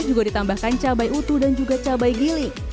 juga ditambahkan cabai utuh dan juga cabai gili